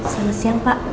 selamat siang pak